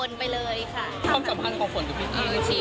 ทรงสำคัญกับคนดูด้วยพี่กี้